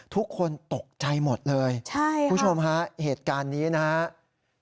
ทุกคนตกใจหมดเลยคุณผู้ชมฮะเหตุการณ์นี้นะฮะใช่คุณชมฮ่า